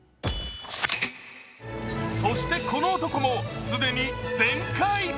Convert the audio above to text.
そして、この男も既に全開。